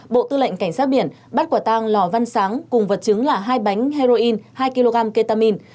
bộ tư lệnh cảnh sát biển bắt quả tang lò văn sáng cùng vật chứng là hai bánh heroin hai kg ketamine